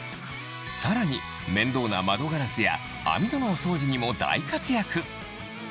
さらに面倒な窓ガラスや網戸のお掃除にも大活躍